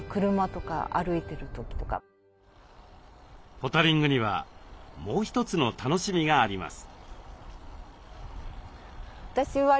ポタリングにはもう一つの楽しみがあります。